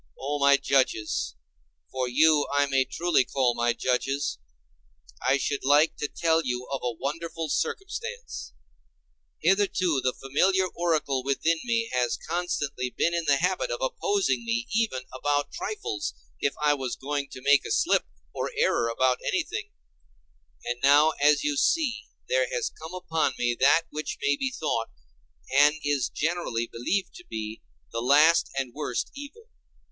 O my judges—for you I may truly call judges—I should like to tell you of a wonderful circumstance. Hitherto the familiar oracle within me has constantly been in the habit of opposing me even about trifles, if I was going to make a slip or error about anything; and now as you see there has come upon me that which may be thought, and is generally believed to be, the last and worst evil.